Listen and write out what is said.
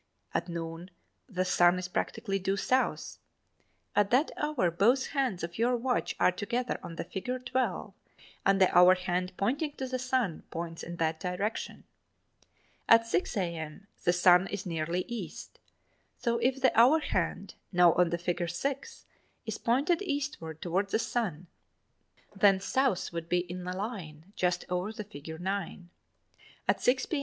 At noon, the sun is practically due South. At that hour, both hands of your watch are together on the figure 12 and the hour hand pointing at the sun points in that direction. At 6 a.m. the sun is nearly East, so if the hour hand, now on the figure 6 is pointed eastward toward the sun, then South would be in a line just over the figure 9. At 6 p.m.